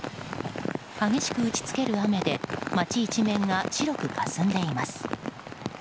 激しく打ち付ける雨で町一面が白くかすんでいます。